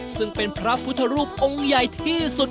ซึ่งเป็นพระพุทธรูปองค์ใหญ่ที่สุด